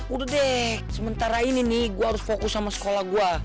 udah deh sementara ini nih gue harus fokus sama sekolah gue